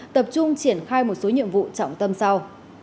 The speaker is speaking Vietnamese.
tập trung triển khai một số nhiệm vụ trọng tâm sau